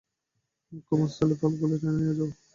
মূখ্য এবং মাস্তুলের পালগুলো টেনে নিয়ে যাও!